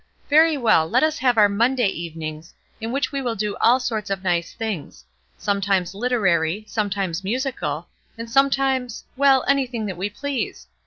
Very well, let us have our 'Monday evenings,' in which we will do all sorts of nice things; sometimes literary, sometimes musical, and sometimes well, anything that we please.